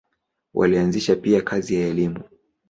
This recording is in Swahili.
Walianzisha pia kazi ya elimu.